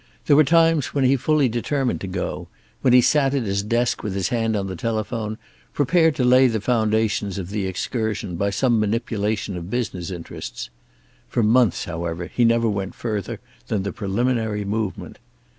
There were times when he fully determined to go, when he sat at his desk with his hand on the telephone, prepared to lay the foundations of the excursion by some manipulation of business interests. For months, however, he never went further than the preliminary movement.